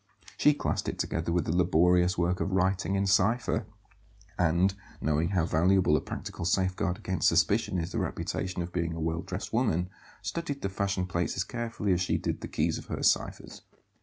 She classed it together with the laborious work of writing in cipher; and, knowing how valuable a practical safeguard against suspicion is the reputation of being a well dressed woman, studied the fashion plates as carefully as she did the keys of her ciphers.